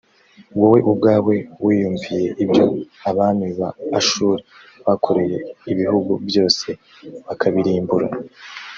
wowe ubwawe wiyumviye ibyo abami ba ashuri bakoreye ibihugu byose bakabirimbura